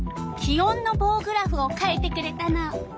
気温のぼうグラフを書いてくれたの。